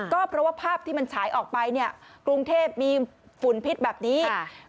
ก็เพราะว่าภาพที่มันฉายออกไปเนี่ยกรุงเทพมีฝุ่นพิษแบบนี้